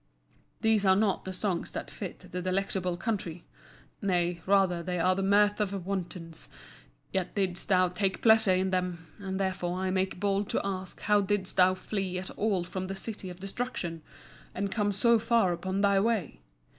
These are not the songs that fit the Delectable Country; nay, rather they are the mirth of wantons. Yet didst thou take pleasure in them; and therefore I make bold to ask how didst thou flee at all from the City of Destruction, and come so far upon thy way?